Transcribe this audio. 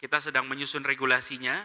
kita sedang menyusun regulasinya